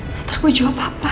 nanti gue jawab apa